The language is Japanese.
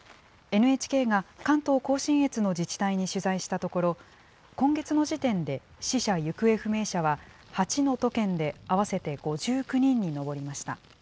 ＮＨＫが関東甲信越の自治体に取材したところ、今月の時点で死者・行方不明者は８の都県で合わせて５９人に上りました。